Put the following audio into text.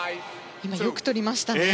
よくとりましたね。